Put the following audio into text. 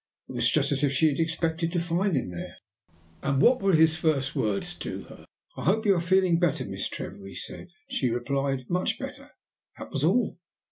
It was just as if she had expected to find him there." "And what were his first words to her?" "'I hope you are feeling better, Miss Trevor,' he said, and she replied, 'Much better,' that was all.